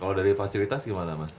kalau dari fasilitas gimana mas